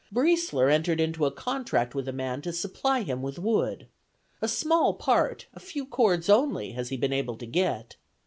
Briesler entered into a contract with a man to supply him with wood. A small part, a few cords only, has he been able to get.